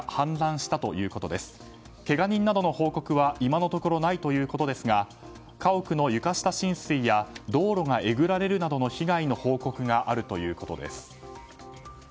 けが人などの報告は今のところないということですが家屋の床下浸水や道路がえぐられるなどの被害の報告があるということです。